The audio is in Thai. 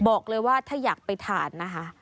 บอกเลยว่าถ้าอยากไปทานนะคะ